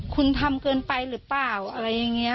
คุณทำเกินไปหรือเปล่าอะไรอย่างนี้